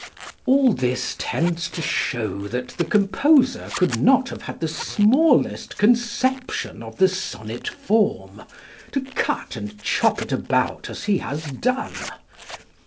All this tends to show that the composer could not have had the smallest conception of the sonnet form, to cut and chop it about as he has done.